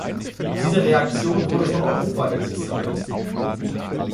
Diese Reaktion wurde von Europa initiiert.